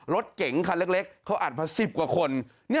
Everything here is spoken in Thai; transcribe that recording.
รถเก๋งคันเล็กเขาอัดมา๑๐กว่าคน